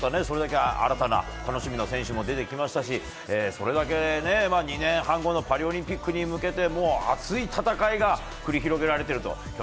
それだけ新たな楽しみな選手も出てきましたしそれだけ２年半後のパリオリンピックに向けて熱い戦いが繰り広げられていると。